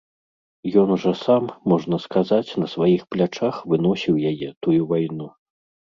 Ён жа сам, можна сказаць, на сваіх плячах выносіў яе, тую вайну.